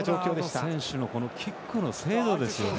ポラード選手のキックの精度ですよね。